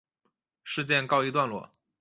事件告一段落。